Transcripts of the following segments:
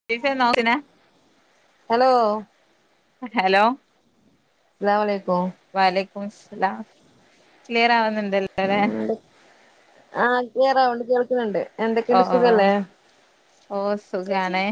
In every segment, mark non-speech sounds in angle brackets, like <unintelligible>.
<unintelligible> Hello hello അസ്സലാമു അലൈകും വാ അലേക്കും ഉസ്‌ലാം ക്ലിയർ ആവുന്നുണ്ടല്ലോടലേ ആഹ് ക്ലിയർആവുണ്ട് കേൾക്കുന്നുണ്ട് എന്തൊക്കെയുണ്ട് ആഹ് ആഹ് സുഖല്ലേ ഓ സുഗാണ്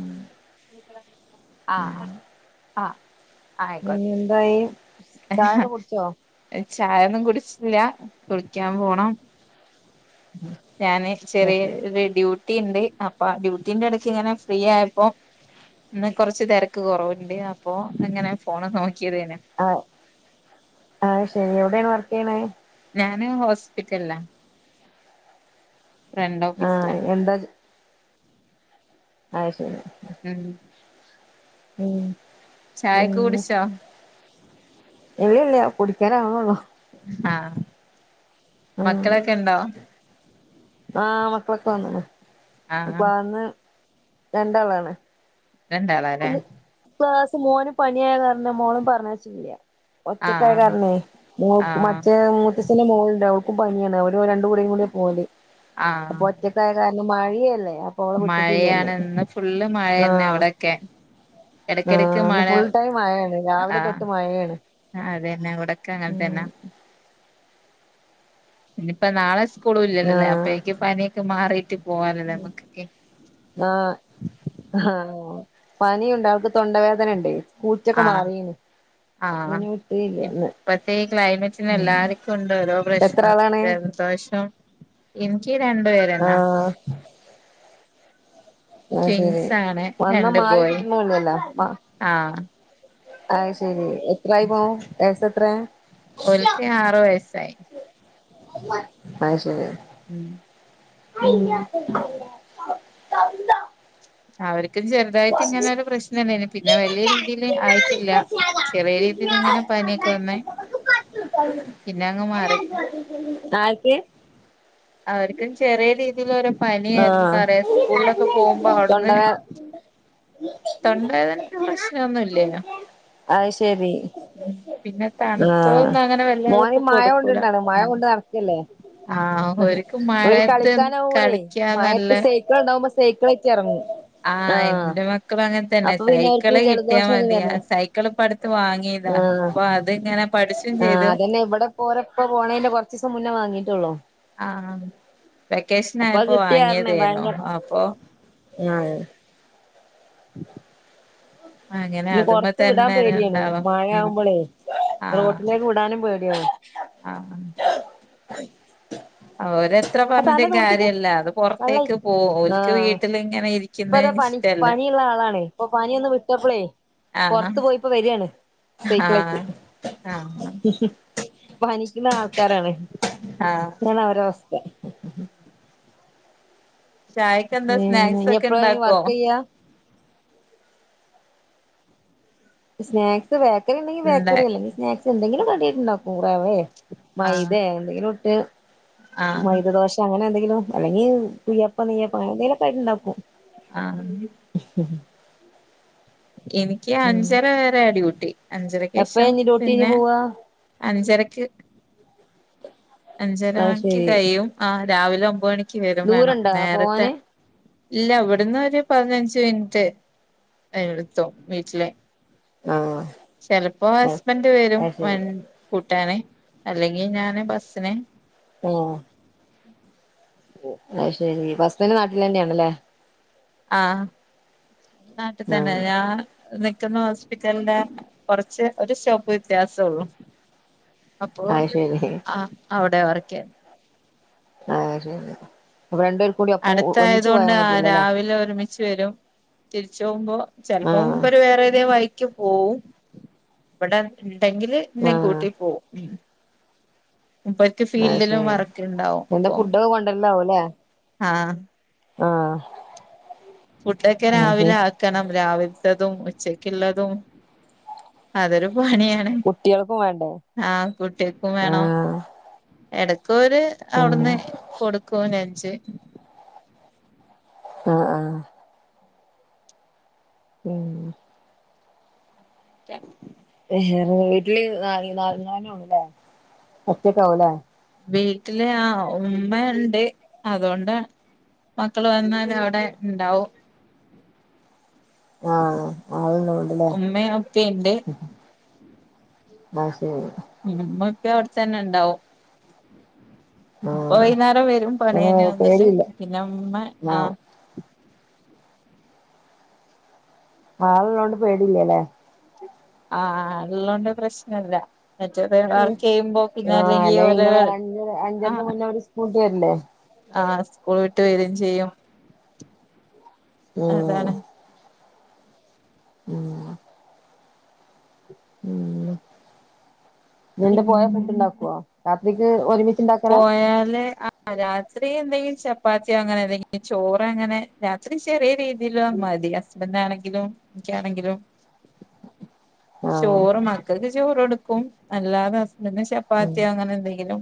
ഉം ആഹ് ആഹ് ആയിക്കോട്ട എന്തായി ചായൊക്കെ കുടിച്ചോ ചായൊന്നും കുടിച്ചില്ല കുളിക്കാൻ പോണം ഉം ഞാന് ചെറിയ ഒരു ഡ്യൂട്ടി ഉണ്ട് അപ്പൊ ഡ്യൂട്ടിന്റെ ഇടയ്ക്ക് ഇങ്ങനെ ഫ്രീ ആയപ്പോ ഇന്ന് കൊറച്ച് തിരക്ക് കുറവുണ്ട് അപ്പൊ ഇങ്ങനെ ഫോണ് നോക്കിയതേനി ആഹ് ആഹ് ശരി എവിടെയാണ് വർക്ക് ചെയ്യണ ഞാന് ഹോസ്പിറ്റലാ ഓഫീസിലാ ആഹ എന്താ അത് ശരി ഉം ഉം ചായൊക്കെ പിന്നേ കുടിച്ചോ ഇല്ല ഇല്ല കുടിക്കാൻ ആവുന്നേള്ളൂ ആഹ് ഉം മക്കളൊക്കെണ്ടോ ആഹ് മക്കളൊക്കെ വന്ന് ആ വന്ന് രണ്ടാളാണ് രണ്ടാളാല്ലേ ഇന്ന് ക്ലാസ്സ് മോന് പനിയായ കാരണം മോളും പറഞ്ഞ അയച്ചില്ല ആ ഒറ്റക്കായ ആ കാരണേ മോ ആഹ് മറ്റേ മൂത്തച്ഛന്റെ മോളുണ്ട് അവക്കും പനിയാണ് അവര് രണ്ടു കൂടെേയും കൂടി പോവല് ആഹ് അപ്പോ ഒറ്റക്കായ കാരണം മഴയല്ലേ അവളെ വിട്ടിട്ടില്ലന്ന് മഴയാണ് ഇന്ന് ഫുള്ള് മഴ തന്നെ ആഹ് ഇവിടെക്കെ എടക്കെടക്ക് ആഹ് ഇന്ന് ഫുൾ ടൈം മഴയാണ് രാവിലെ തൊട്ട് മഴയാണ് ആഹ് അത് തന്നാ ഉം ഇവിടക്കാങ്ങത്തന്നാ ഇനിപ്പ നാളെ സ്കൂള് ഇല്ലല്ലല്ലേ ആഹ് അപ്പേക്ക് പനിയൊക്കെ മാറിയിട്ട് പോകാനല്ലേ നമുക്കൊക്കെ ആഹ് ആഹ് പനിയുണ്ട് അവൾക്ക് തൊണ്ടവേദന ഉണ്ട് കൂറ്റൊക്കെ ആഹ് മാറിന്ന് ആഹ് ഇപ്പത്തെ ക്ലൈമറ്റിന് എല്ലാർക്കും ഉണ്ട് ഓരോ എത്ര പ്രശ്നം ആളാണ് ഈ പ്രാവശ്യം എനിക്ക് രണ്ട് പേര് ആഹ് ആഹ് ശരി റ്റിൻസാണ് വന്നാ രണ്ട് മാറി ബോയി കിട്ടണല്ലല്ലോ ആഹ് അത് ശരി എത്രായി മോൻ വയസ് എത്ര ഓൽക്ക് ആറു വയസ്സായി അത് ശരി ഉം <inaudible> അവർക്കും ചെറുതായിട്ട് ഇങ്ങനെ ഒരു പ്രശ്നംണ്ട് പിന്നെ വലിയ രീതിൽ ആയിട്ടില്ല ചെറിയ രീതിൽ ഇങ്ങനെ പനിയൊക്കെ വന്ന് പിന്നെ അങ്ങ് മാറി ആരുടേയ അവരിക്കു ചെറിയ രീതിയില ഒരു പനിയായിരുന്ന് ആഹ് പറയും സ്കൂളിലൊക്കെ പോകുമ്പോ അവിടുന്ന് തൊണ്ടവേ തൊണ്ടവേദന പ്രശ്നമൊന്നുല്ലാ അതിന് ആത് ശരി പിന്നെ ആഹ് തണുത്തതൊന്നും അങ്ങനെ വല്ലാതെ മോന് ഇപ്പൊ മഴ കൊടുക്കൂല കൊണ്ടണ്ടാണ് മഴ ഉം കൊണ്ട് നട്ക്കല്ലേ ആഹ് ഓര്ക്ക് ഓര് മഴയത്ത് കളിക്കാനാവൂളേ കളിക്കാൻ നല്ല മഴത്ത് സൈക്കൾ ണ്ടാവുമ്പോ സൈക്കളയ്റ്റെർങ്ങും ആഹ് എന്റെറെ മക്ക ക്കള ങ്ങൻ തന്നെ പിന്നെ അവർക്ക് സൈക്കിള് കിട്ട്യാ ജലദോഷം ഒന്നും മതി വരണ്ട സൈക്കിള്പ്പട്ത്ത് വാങ്ങിതാ ആഹ് പ്പൊ അത്ങ്ങനെ പഠിച്ചും ചെയ്ത് ഓരെപ്പ പോണേന്റെ കൊർചീസം മുന്നെ വാങ്ങീട്ടൊള്ളു ആഹ് അത് വെക്കേഷനായപ്പോ വാങ്ങിയതേനു അപ്പൊ യാഹ്.. അങ്ങനെ നെ അതുമ്മ പൊർത്ത് വിടാൻ തന്നെ പേടിയാണ് രണ്ടാളും ഉം മഴയാവുമ്പോളേ ആഹ് റോട്ടിലേക്ക് വിടാനും പേടിയണ് ആഹ് അവരെ ത്ര ആ തല പർഞ്ഞിട്ടും തോർത്തിക്ക കാര്യല്ല ത് വെള്ളായി പൊർതേക്ക് പോ ഓൽക്ക് ആഹ് വീട്ടില് ങ്ങനെ ഇരിക്ക്‌ന്നെ ഇപ്പതാ ഷ് പനി ള്ള ആളാണ് ഇപ്പൊ പനിയൊന്ന് വിട്ടപ്ളേ ആഹ് പൊർത്ത് പോയിപ്പോ വരാണ് സൈക്കിളേറ്റ് ആഹ് ആഹ് പനിക്ക്ണ ആൾക്കാരാണ് ആഹ് താണ് അവരവസ്ഥ ചായക്കെന്താ പിന്നെ സ്നാക്സ് ഇനി ഒക്കെ എപ്പഴാ ഈ ണ്ടാക്കോ വർക്ക് ചെയ്യാ സ്നാക്സ് ബേക്കറിണ്ടെങ്കി ഇണ്ടാ ബേക്കറി അല്ലെങ്കി സ്നാക്സ് എന്തങ്കിലും കഡ്യായിട്ടുണ്ടാവും റവേ ആഹ് മൈദേ എന്തെങ്കിലുട്ട് ആഹ് മൈദദോശ ഷെ അങ്ങന്തെങ്കിലും അല്ലെങ്കി കുയ്യപ്പ നെയ്യപ്പ അങ്ങനെന്തേലുഒക്കെ ആയിട്ടുണ്ടാക്കും ആഹ് <inaudible> ഉം എനിക്കഞ്ചര വരാ ഡ്യൂട്ടി എപ്പഴാ അഞ്ചരക്കേഷം ഇനി ഡ്യൂട്ടി കഴിഞ്ഞ് പിന്നെ പോവാ അഞ്ചരക്ക് അഞ്ചര അത് ണിക്ക് ശരി കഴിയും ആ് രാവിലെ ഒമ്പേണിക്ക് വരും വേണം ദൂരണ്ടാ നേരത്തെ പോവാന് ഇല്ല വിടന്ന് ഒരു പതിനഞ്ച് മിൻറ്റ് ഏ എടുത്തോ വീട്ടിലെ ആഹ് ചെലപ്പോ ഹസ്ബൻഡ് വരും അത് ശരി വൻ കൂട്ടാന് അല്ലെങ്കി ഞാന് ബസിന് മ് അയ്ശെരി പ ഹസ്ബൻഡ് നാട്ട്ലെന്നെയാണല്ലേ ആഹ് നാട്ട് തന്നെ ആഹ് ഞാ നിക്കുന്ന ഹോസ്പിറ്റൽന്റെ കൊറച്ച് ഒരു സ്റ്റോപ്പ് വിത്യാസൊള്ളു അപ്പൊ അത് ശരി ആ അവിടെ വർകെ ആഹ് ശരി പ്പ രണ്ട് അടുത്തായതോണ്ട് ആ രാവിലെ ഒരുമിച്ച് വരും തിരിചോമ്പോ ചെൽപോ ആഹ് മൂപ്പര് വേറേതേ വയി പോവും വ്ടെ ണ്ടെങ്കില് ആഹ് ഇന്നെകൂട്ടി പോഉം അയ്ശരി വർക്ക് ഇണ്ടാവും എന്ത അപ്പൊ ഫുഡൊക്കെ കൊണ്ടര്ലാവുംലെ ആഹ് ആഹ് ഫുഡ്ഡോക്കെ അത് രാവിലെ ശരി ആക്കണം രാവിൽതതും ഉച്ചക്കിള്ളതും അതൊരു പണ്യണ് കുട്ടികൾക്കും വേണ്ടേ ആഹ് കുട്യക്കും വേണം ആഹ് എടക്കോര് ആഹ് അവുട്ന്ന് കൊടുകോ നച് ആഹ് ആഹ് മ് <inaudible> വേറെ വീട്ട്ല് ന നാൽ നാൽ ണ്ടോ ഒറ്റക്ക ആകൂലേ വീട്ടില് ആ ഉമ്മ ഉണ്ട് അതോണ്ട മക്കള് വന്നാല് അവിടെ ണ്ടാവും ആഹ് ആള്ള്ളോണ്ട്ലെ ഉമ്മയും ഉപ്പയും ഉണ്ട് ന്നാ ശരി ഉമ്മീം ഇപ്പി അവിടെ തന്നെ ണ്ടാവും ഇപ്പ ആഹ് വൈന്നേരം വരും പണി പിന്നെ കയിഞ്ഞു വന്നിട്ട് പേടിയില്ല പിന്നെ ഉമ്മ ആഹ് ആള് ള്ളോണ്ട് പേടില്ലല്ലേ ആഹ് ല്ലോണ്ട് പ്രശ്നല്ല മറ്റേത് വർക്ക്‌ ചെയ്യുമ്പോ പിന്നെ ആഹ് അല്ലെങ്കി ഓല് ആഹ് കൂട്ടിയര്ല്ലേ ആഹ് സ്കൂൾ വിട്ട് വരും ചെയ്യും ഉം അതാണ് ഉം ഉം ന്നിട്ട് പോയ ഫുഡ് പിന്നെ ഉണ്ടാക്കുവോ രാത്രിക്ക് ഒരുമിച്ച് ഉണ്ടാക്കലാ പോയാല് ആ ആഹ് രാത്രി എന്തെങ്കിലും ചപ്പാത്തിയോ അങ്ങനെ എന്തെങ്കിലും ചോറ് അങ്ങനെ രാത്രി ചെറിയ രീതിൽ മതിയാ ഹസ്ബന്റ് ആണെങ്കിലും ഇനിക്കാണെങ്കിലും. ആഹ് ചോറ് മക്കൾക്ക് ചോറ് കൊടുക്കും അല്ലാതെ ഹസ്ബൻഡിന് ഉം ചപ്പാത്തിയോ അങ്ങനെ എന്തെങ്കിലും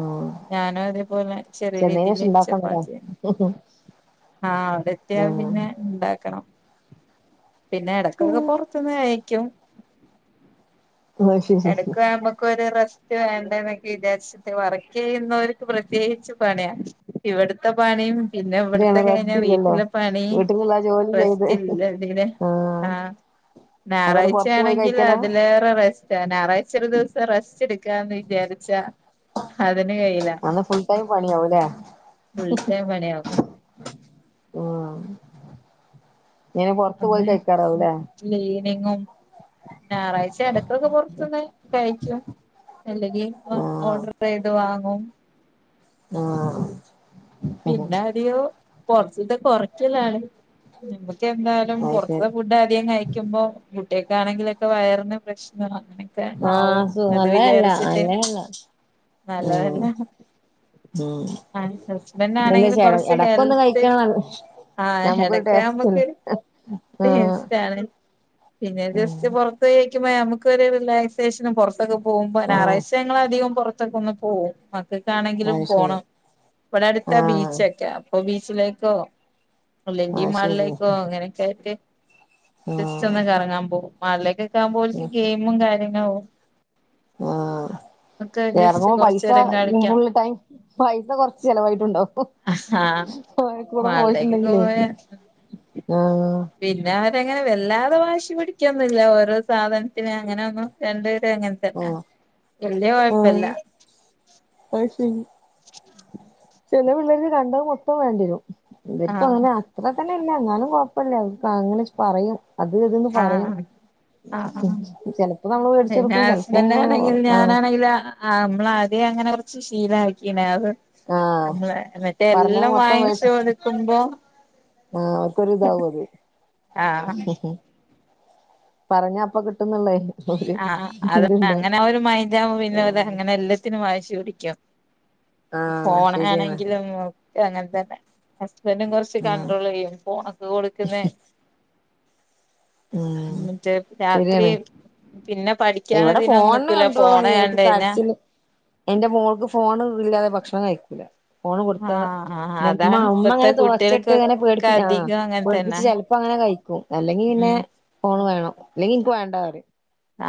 ആഹ് ഞാനും അതേപോലെ ചെറിയ രീതില് ഉണ്ടാക്കണല്ലേ ചപ്പാത്തിയ ആടെ എത്തിയാ ആഹ് പിന്നെ ണ്ടാക്കണം പിന്നെ ഇടക്കൊക്കെ പൊറത്തുന്ന് കയിക്കും അത് ശരി എടക്ക് ഞമ്മക്ക് ഒരു റസ്റ്റ് വേ ണ്ടെന്നൊക്കെ വിചാരിച്ചിട്ട് വർക്ക് ചെയ്യുന്നോർക്ക് പ്രത്യേകിച്ച് പണിയാ ഇവിടുത്തെ പണിയും പിന്നെ ശരിയാണ് ഇവിടത്തെ കഴിഞ്ഞ റസ്റ്റ് ഇല്ലല്ലോ വീട്ടിലെ പണി വീട്ടിലുള്ള ജോലി ചെയ്ത് റസ്റ്റ് ഇല്ല തീരെ ആഹ് അപ്പൊ പിന്നെ പുറത്ത് പോയി ഞായറാഴ്ചയാണെങ്കിൽ കഴിക്കലാ അതിലേറെ രസം ഞായറാഴ്ച ഒരു ദിവസം റസ്റ്റ് എടുക്കാന്ന് വിചാരിച്ചാ അതിന് കഴില അന്ന് ഫുൾ ടൈം പണിയാവൂല്ലേ ഫുൾ ടൈം പണിയാകും ആഹ് അന്ന് ക്‌ളീനിങ്ങും ഞായറാഴ്ച എടക്കൊക്കെ പുറത്ത് ന്ന് കഴിക്കും അല്ലെങ്കിപ്പം ആഹ് ഓർഡർ ചെയ്ത് വാങ്ങും ആഹ് പിന്നെ അധികൊ പൊറത്ത്ത്തെ കൊറക്കലാണ് നമ്മക്ക് എന്തായാലും അത് പുറത്ത് ശരി ത്തെ ഫുഡ് ആദ്യം കഴിക്കുമ്പം കുട്ട്യാക്കാണെങ്കിലൊക്കെ വയറിന് പ്രശ്ന അങ്ങനെ ഒക്കെ ആവും ആഹ് സു അത് നല്ലതല്ല വിചാരിച്ചിട്ട് നല്ലതല്ല ഉം നല്ലതല്ല ഹ് ഹിഹി ഉം ആഹ് ഹസ്ബൻഡ് ഇതെന്താ ആണെങ്കിലും ചെ കൊറച്ച് എടക്കൊന്ന് ഹെൽത്ത് കഴിക്കണം നല്ല ആഹ് നമുക്കൊരു എടക്ക് ടേസ്റ്റ്ല്ലേ നമ്മക്ക് ആഹ് ടേസ്റ്റ് ആണ് പിന്നെ ഉം ജസ്റ്റ് പൊറ- ത്ത് പോയി കഴിക്കുമ്പോ നമുക്ക് ഒരു റിലാക്സേഷനും പുറത്തൊക്കെ പോകുമ്പോ ആഹ് ഞായറാഴ്ച ആയോണ്ട് ഞങ്ങളധികം പുറത്തൊക്കന്ന് പോകും മക്കൾക്കാണെങ്കിലും അത് ശരി പോണം ഇബടെ അടുത്ത ആഹ് ബീച്ചൊക്കെ അപ്പൊ ബീച്ചിലേക്കോ അല്ലെങ്കി അത് ശരി മാളിലേക്കോ അങ്ങനെയൊക്കെ ആയിട്ട് ജസ്റ്റ്‌ ആഹ് ഒന്ന് കറങ്ങാൻ പോകും മളിലേക്കൊക്കെയാവുമ്പോൽക്ക് ഗെയിമും കാര്യങ്ങളും ആഹ ഒക്കെ ജസ്റ്റ് <unintelligible> പൈസ കൊറച്ചേരം കളിക്കാം പൈസ കൊറച്ച് ചിലവായിട്ടുണ്ടോ ഹ് ആഹാ ഹ ഹ ഓലെ കൂടെ മാളിലേക്ക് പോയിട്ടുണ്ടെങ്കിലേ പോയ ആഹ് പിന്നെ അവരങ്ങനെ വല്ലാതെ വാശി പിടിക്കൊന്നുല്ല ഓരോ സാധനത്തിന് അങ്ങനൊന്നും രണ്ടുപേരും അങ്ങനെ ല്ലല്ല ആഹ് വല്യ കൊഴപ്പല്ല ആഹ് അത് ശരി ചില പിള്ളേർക്ക് കണ്ടത് മൊത്തം വേണ്ടിരും ഇവർക്കും ആഹ് അങ്ങനെ അ അത്ര തന്നെ ഇല്ല എന്നാലും കൊഴപ്പല്ല അവക്ക് അങ്ങനെ പറയും അത് ഇത്ന്ന് പറയും ആ ആ ചെലപ്പോ നമ്മള് പിന്നെ മേടിച്ചെടുക്കും ചെലപ്പോ ഹസ്ബൻഡ് ഇങ്ങനെ ആണെങ്കിൽ ആഹ് ഞാനാണെങ്കിൽ ആഹ് നമ്മളാദ്യം അങ്ങനെ കുറച്ച് ശീലമാക്കീന്ന് അത് ആഹ് നമ്മള് മറ്റേ പറഞ്ഞത് എല്ലാം മൊത്തം വാങ്ങിച്ചു മേടിച്ച് കൊടുക്കുമ്പോ ആഹ് ഓലക്ക് ഒരു ഇതാവും അത് ആഹ് പറഞ്ഞാ അപ്പൊ കിട്ടുന്നുള്ളേ ഹ് ആഹ് അത് അങ്ങനെ ഒരു മൈന്ഡാകുമ്പോ പിന്നെ ഓല് അങ്ങനെ അല്ല ചെ- ത്തിന് വാശി പിടിക്കും ആഹ് ശരിയാണ് ഫോണാണെങ്കിലും അങ്ങനെ തന്നെ ഹസ്ബൻഡും കുറച്ച് ആഹ് കണ്ട്രോൾ ചെയ്യും ഫോണൊക്കെ കൊടുക്കുന്നെ ഉം മറ്റേ രാത്രി ശരിയാണ് പിന്നെ ഇവിടെ പഠിക്കാനതിനൊന്നും ഫോണിന് നിക്കൂല ഫോണ് കൺട്രോളൊന്നുല്ല ഇവക്ക് കണ്ട് കഴിഞ്ഞാ കരച്ചില് ഇന്റെ മോൾക്ക് ഫോൺ ഇല്ലാതെ ഭക്ഷണം കഴിക്കൂല ഫോണ് കൊടുത്ത ആഹ് ആഹ് ഉമ്മ അതാണ് ഉമ്മ ഇപ്പത്തെ ഇങ്ങനെ തോ ഒച്ചട്ട് ഇങ്ങനെ കുട്ടികൾക്കൊക്കെ പേടിപ്പി ആ അധികം അങ്ങനെ തന്നെ പേടിപ്പിച്ച് ച ഇപ്പ അങ്ങനെ കഴിക്കും അല്ലെങ്കിൽ പിന്നെ ഉം ഫോണ് വേണം അല്ലെങ്കിൽ ഇനിക്ക് വേണ്ട പറയും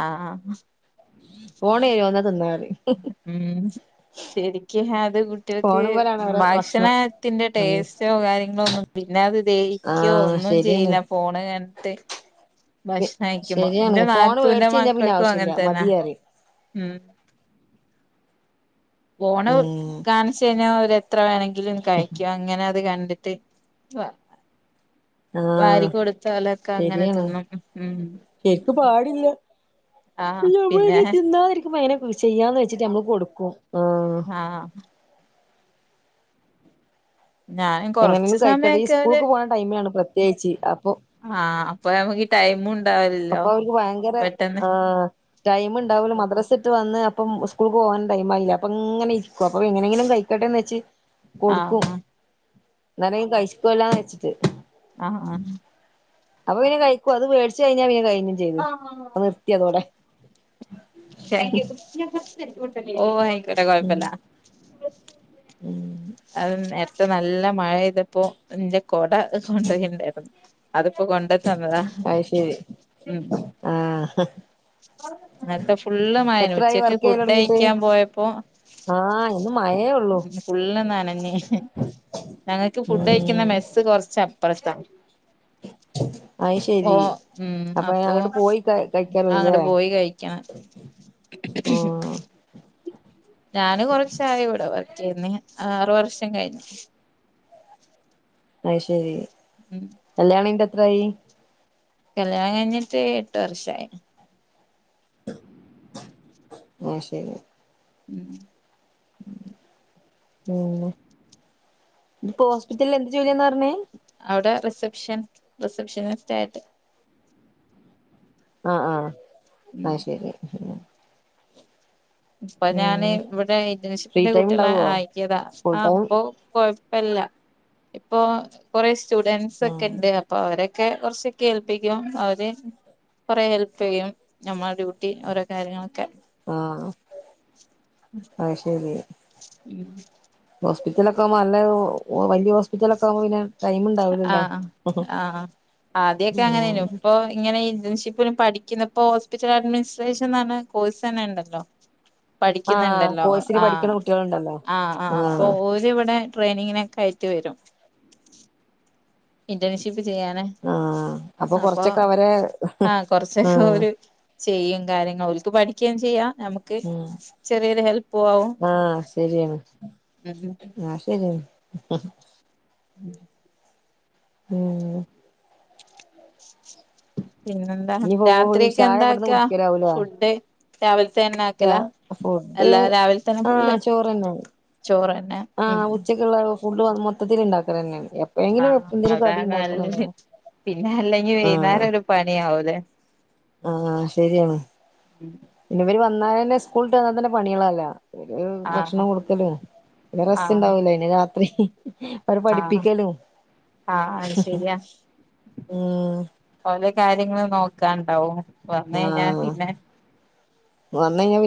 ആഹ ആഹ് <unintelligible> ഉം ശരിക്കും അത് കുട്ടികൾക്ക് ഫോണുമ്മലാണ് അവരെ ഭക്ഷണം ഭക്ഷണത്തിന്റെ ഉം ടേസ്റ്റ് കാര്യങ്ങളോന്നും പിന്നെ അത് ആ ദഹിക്കോ ഒന്നും ശരിയാണ് ചെയ്യില്ല ഫോണ് കണ്ടിട്ട് ഭക്ഷണം കഴിക്കുമ്പോ ശരിയാണ് ഇന്റെ ഫോണ് നാത്തൂന്റെ മേടിച്ച് കഴിഞ്ഞാ പിന്നെ മക്കക്കും ആവശ്യല്ല മതി അങ്ങനെത്തന്നാ പറയും ഉം ഫോണ് ഉം കാണിച്ച് കഴിഞ്ഞാ അവര് എത്ര വേണമെങ്കിലും കഴിക്കും അങ്ങനെ അത് കണ്ടിട്ട് ഇജ്ജ് വന്ന ആ വാരി കൊടുത്താലൊക്കെ അങ്ങനെ ശരിയാണ് തിന്നും ഉം ആ നമ്മള് ഇനി തിന്നാതിരിക്കുമ്പോൾ അങ്ങനെ ചെയ്യാന്ന് വെച്ചിട്ട് നമ്മള് കൊടുക്കും ആഹ് ആഹ് ഞാനും കൊറച്ച് എങ്ങനെയെങ്കിലും കഴിക്കട്ടെ ഈ സമയൊക്കെ അവര് സ്കൂൾക്ക് പോന്ന ടൈമിലാണ് പ്രത്യേകിച്ച് അപ്പൊ ആഹ് അപ്പൊ നമക്ക് ടൈമു അപ്പൊ ഒല്ക് അവർക്ക് ഭയങ്കര ആഹ് ടൈം ഇണ്ടാവുല മദ്രാസ് വിട്ട് വന്ന് അപ്പം സ്കൂൾക്ക് പോകാൻ ടൈം ആയില്ല അപ്പ ഇങ്ങനെ ഇരിക്കും അപ്പൊ എങ്ങനെങ്കിലും കഴി ക്കട്ടെന്ന് വെച്ച് കൊടുക്കും ആഹ് ഇന്നാലെങ്കി കഴക്കുവല്ലോന്ന് വെച്ചിട്ട് ആഹ് ആഹ് അപ്പൊ പിന്നെ കഴിക്കുവ അത് മേടിച്ചു കഴിഞ്ഞാ പിന്നെ കഴിഞ്ഞും ചെയ്ത് അഹ് നിർത്തി അതോടെ ഓ ആയിക്കോട്ടെ, ഉം കൊഴപ്പല്ല ഉം അഹ് നേരത്തെ നല്ല മഴ പെയ്തപ്പോ ഇന്റെ കൊട കൊണ്ടോയിണ്ടായിരുന്നു അത്പ്പോ കൊണ്ട് തന്നതാ അയ് ശരി ആഹ് ഇന്നല്ത്തെ ഫുള്ള് മഴെനി എത്രായി ഉച്ചക്ക് വർക്ക് ചെയ്യല് ഫുഡ് തൊടങ്ങീട്ട് കഴിക്കാൻ പോയപ്പോ ആഹ് ഇന്ന് മഴേ ഉള്ളൂ ഫുള്ള് നനഞ്ഞ് ഞങ്ങക്ക് ഫുഡ് കഴിക്കുന്ന ഉം മെസ്സ് കൊറച്ച അപ്പുറത്താ അയ് ശരി അപ്പൊ അങ്ങോട്ട് പോയിക കഴിക്കണല്ലോ അങ്ങട് ല്ലേ പോയി കഴിക്കണം ആഹ് ഞാന് കൊറച്ചായി ഇവിടെ വർക്ക് ചെയ്യുന്നെ ആറു വർഷം കഴിഞ്ഞ് അയ് ശരി ഉം കല്യാണം കഴിഞ്ഞിട്ട് എത്രായി കല്യാണം കഴിഞ്ഞിട്ട് എട്ട് വർഷായി അഹ് ശരി ഉം ഉം ഇപ്പോ ഹോസ്പിറ്റലിൽ എന്ത് ജോലിയാ ന്നപറഞ്ഞ അവിടെ റിസപ്ഷൻ റിസപ്ഷനിസ്റ്റ് ആയിട്ട് ആഹ് ആഹ് ഉം ആയ്ശരി ഇപ്പൊ ഞാന് ഇവിടെ ഫ്രീ ഇന്റേൺഷിപ്പിന്റെ ടൈം കുട്ടികളെ ഉണ്ടാവോ ആക്കിയതാ ഫുൾ ആഹ് ടൈം പ്പൊ കൊഴപ്പില്ല ഇപ്പൊ കൊറേ സ്റ്റുഡന്സ് ഉം ഒക്കെ ഇണ്ട് അപ്പൊ അവരൊക്കെ കുറച്ചൊക്കെ ഏൽപ്പിക്കും അവര് കെറെ ഹെൽപ് ചെയ്യും നമ്മുടെ ഡ്യൂട്ടി ഓരോ കാര്യങ്ങളൊക്കെ ആഹ് അയ് ശരി ഉം ഹോസ്പിറ്റലൊക്കെകുമ്പോ നല്ല വല്യ ഹോസ്പിറ്റലൊക്കെ ആകുമ്പോ പിന്നെ ടൈം ഉണ്ടാവൂലല്ലോ ആഹ് ആഹ് ആദ്യൊക്കെ ഉം അങ്ങനെയ്നു ഇപ്പൊ ഇങ്ങനെ ഇന്റേൺഷിപ് പഠിക്കുന്നപ്പോ ഹോസ്പിറ്റൽ അഡ്മിനിസ്ട്രേഷൻ എന്ന കോഴ്സ്ന്നെണ്ടല്ലോ ആഹ് പഠിയ്ക്കുന്നുണ്ടല്ലോ കോഴ്സിന് ആഹ് പഠിക്കണ കുട്ടികളുണ്ടല്ലോ ആഹ് ആഹ് അപ്പഓര് അത് ഇവിടെട്രെനിങ്ങിനൊക്കയായിട്ട് വരും ഇന്റേൺഷിപ്പ് ചെയ്യാനെ ആഹ് അപ്പൊ കൊറച്ചൊക്കെ അവരെ ആഹ് കൊറച്ചക്കെ ആഹ് ഒര് ചെയ്യും കാര്യങ്ങൾ ഒൽക്ക് പഠിക്കുകയും ചെയ്യാം നമു ക്ക് ഉം ചെറിയൊരു ഹെല്പും ആവും ഉം ഉം ആഹ്ശരിയാ <unintelligible> ഉം ഉം പിന്നെന്താ ഇനിപ്പോ രാത്രിക്കെ ചായ ഇവിടുന്ന് എന്താക്കാ കുടിക്കലാവൂലേ ഫുഡ് രാവിൽത്തെന്നെ ആക്കല ഫുഡ് എല്ലാം രാവിൽതന്നെ ആഹ് ഫുള് ചോറന്നെ ചോറ്ന്നെ ഉം ആഹ് ഉച്ചക്കുള്ള ഫുഡ് മൊത്തത്തിൽണ്ടാക്കലെന്നെണ് ആഹ് അതാനല്ലത് പിന്നെ അല്ലെങ്കി ആഹ് വൈന്നാരം ഒരു പണിയാവൂലേ ആഹ് ശരിയാണ് ഇവര് വന്നാലെന്നെ സ്കൂള്ട്ട് വന്നാതന്നെ പണികളല്ലേ ഒരു ആഹ് ഭക്ഷണം കൊടുക്കലും പിന്നെ ആഹ് റസ്ണ്ടാവൂല ഇനി രാത്രി അവരെ ആഹ് പഠിപ്പിക്കലും ആഹ് അത് ശരിയാ ഉം ഓലെ കാര്യങ്ങളും നോക്കാണ്ടാവും വന്ന് കഴിഞ്ഞാ ആഹ് പിന്നെ വന്നയിഞ്ഞ